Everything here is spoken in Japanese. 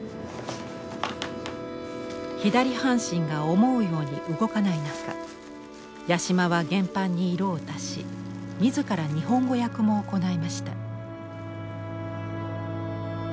左半身が思うように動かない中八島は原版に色を足し自ら日本語訳も行いました。